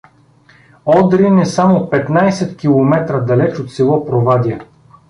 Одрин е само петнайсет км далеч от село Провадия.